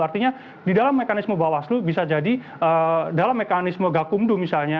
artinya di dalam mekanisme bawaslu bisa jadi dalam mekanisme gakumdu misalnya